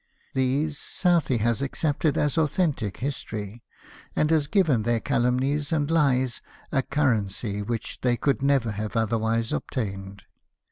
These Southey has accepted as authentic history, and has given their calumnies and hes a currency which they could never have otherwise obtained.